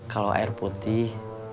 kalau air putih